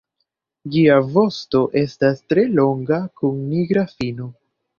Ĝia vosto estas tre longa kun nigra fino.